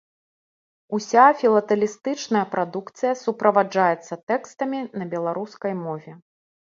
Уся філатэлістычная прадукцыя суправаджаецца тэкстамі на беларускай мове.